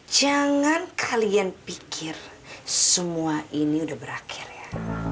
jangan kalian pikir semua ini udah berakhir ya